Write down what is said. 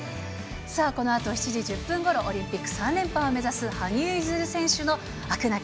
さあ、このあと７時１０分ごろ、オリンピック３連覇を目指す羽生結弦選手の飽く